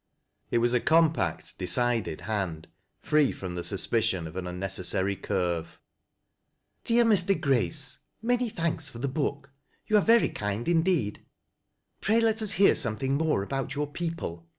It was a com])act, decide! hand, free faom the suspj cJon of an unnecessary curve. ''Dbab Mb. Grace, — "Many thanks for the book. You are very kind indeed. Pray lei nil iiear something more about your people.